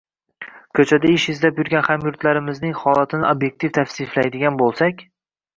ko‘chada ish izlab yurgan hamyurtlarimizning holatini ob’ektiv tavsiflaydigan bo‘lsak